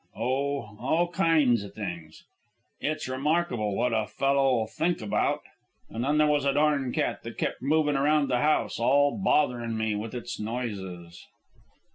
oh, all kinds of things. It's remarkable what a fellow'll think about. And then there was a darn cat that kept movin' around the house all' botherin' me with its noises."